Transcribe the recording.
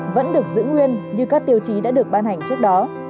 vẫn được giữ nguyên như các tiêu chí đã được ban hành trước đó